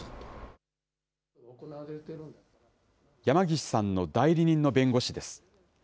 山岸さんの代理人の弁護士です。